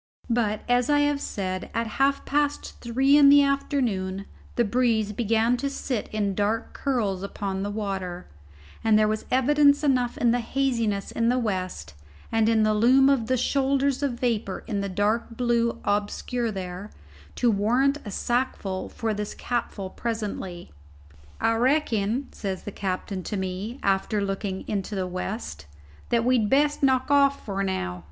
But, as I have said, at half past three in the afternoon, the breeze began to sit in dark curls upon the water, and there was evidence enough in the haziness in the west, and in the loom of the shoulders of vapour in the dark blue obscure there, to warrant a sackful for this capful presently. "I reckon," says the captain to me, after looking into the west, "that we'd best knock off now.